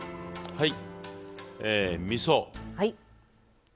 はい。